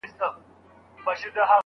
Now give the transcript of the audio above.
که لمر له ځانه جوړولای نه سې ستوری خو سه